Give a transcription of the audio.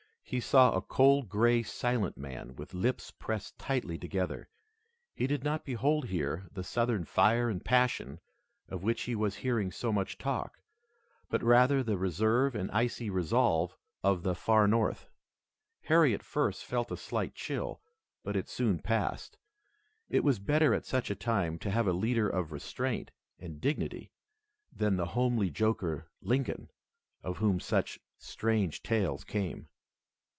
He saw a cold, gray, silent man with lips pressed tightly together. He did not behold here the Southern fire and passion of which he was hearing so much talk, but rather the reserve and icy resolve of the far North. Harry at first felt a slight chill, but it soon passed. It was better at such a time to have a leader of restraint and dignity than the homely joker, Lincoln, of whom such strange tales came.